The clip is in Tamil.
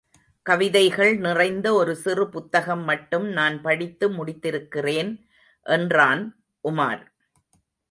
கவிதைகள் நிறைந்த ஒரு சிறு புத்தகம் மட்டும் நான் படித்து முடித்திருக்கிறேன் என்றான் உமார்.